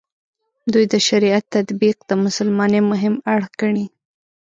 دوی د شریعت تطبیق د مسلمانۍ مهم اړخ ګڼي.